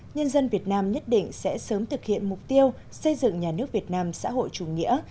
nhân dân việt nam nhất định sẽ sớm thực hiện mục tiêu xây dựng nhà nước việt nam xã hội chủ nghĩa